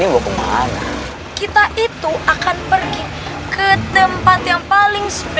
ya nanti am di k blanc